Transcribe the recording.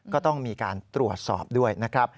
ก็ต้องมีการตรวจสอบด้วยนะครับ